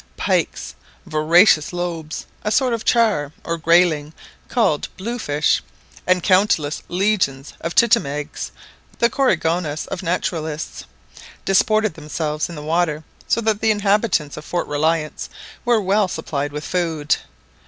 Pikes, voracious lobes, a sort of charr or grayling called " blue fish," and countless legions of tittamegs, the Coregonus of naturalists, disported themselves in the water, so that the inhabitants of Fort Reliance were well supplied with food.